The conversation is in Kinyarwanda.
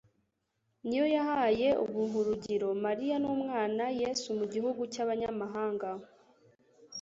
ni yo yahaye ubuhurugiro Mariya n'umwana Yesu mu gihugu cy'abanyamahanga.